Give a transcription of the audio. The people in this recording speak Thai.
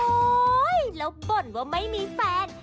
แล้วบ่นว่าไม่มีแฟน